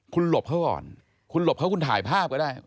คุณหลบเขาก่อนคุณหลบเขาคุณถ่ายภาพก็ได้